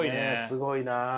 すごいなあ。